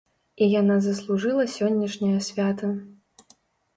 І яна заслужыла сённяшняе свята.